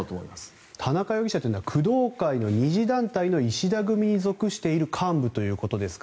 田中容疑者というのは工藤会の２次団体の石田組に属している幹部だということです。